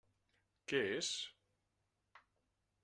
Què és?